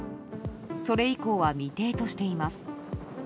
それ以降は未定としています。